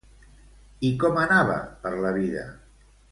I com anava, per la vida?